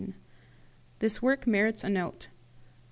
This work merits a note.